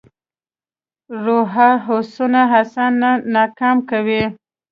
روا هوسونه انسان نه ناکام کوي.